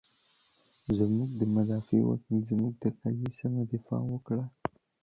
زمونږ مدافع وکیل، زمونږ د قضیې سمه دفاع وکړه.